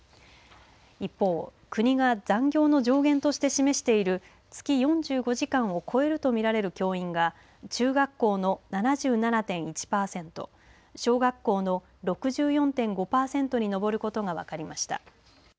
一方、国が残業の上限として示している月４５時間を超えると見られる教員が中学校の７７．１パーセント小学校の６４．５パーセントに上ることが分かりました。